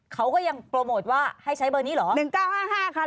เขาก็ยังโปรโมทว่าให้ใช้เบอร์นี้เหรอหนึ่งเก้าห้าห้าค่ะ